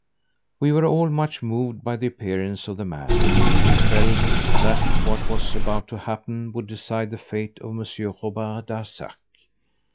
We were all much moved by the appearance of the man. We felt that what was about to happen would decide the fate of Monsieur Robert Darzac.